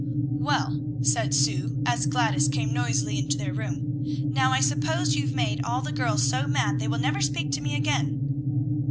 "Well," said Sue, as Gladys came noisily into their room, "now I suppose you've made all the girls so mad they will never speak to me again."